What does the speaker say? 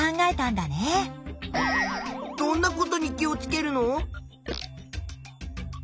どんなことに気をつけるの？